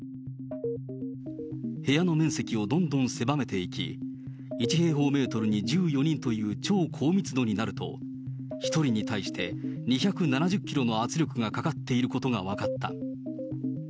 部屋の面積をどんどん狭めていき、１平方メートルに１４人という超高密度になると、１人に対して２７０キロの圧力がかかっていることが分かった。